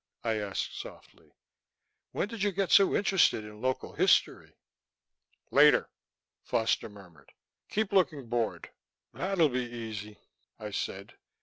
I asked softly. "When did you get so interested in local history?" "Later," Foster murmured. "Keep looking bored." "That'll be easy," I said.